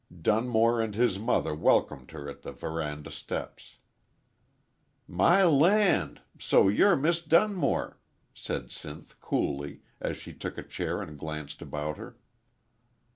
Dunmore and his mother welcomed her at the veranda steps. "My land! So you're Mis' Dunmore!" said Sinth, coolly, as she took a chair and glanced about her.